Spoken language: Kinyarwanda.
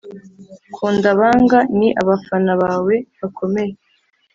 kunda abanga - ni abafana bawe bakomeye.